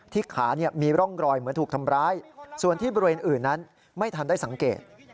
ขามีร่องรอยเหมือนถูกทำร้ายส่วนที่บริเวณอื่นนั้นไม่ทันได้สังเกต